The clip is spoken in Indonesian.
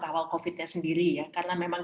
kawal covid sembilan belas sendiri karena memang